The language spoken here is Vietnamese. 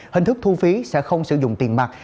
hình thức thu phí sẽ không sử dụng tiền mặt